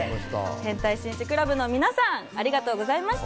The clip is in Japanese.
変態紳士クラブの皆さん、ありがとうございました。